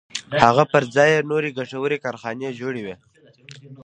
هغه پر ځای یې نورې ګټورې کارخانې جوړوي